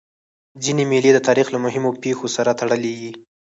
ځيني مېلې د تاریخ له مهمو پېښو سره تړلي يي.